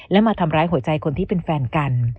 และมาทำร้ายหัวใจคนที่เป็นแฟนกัน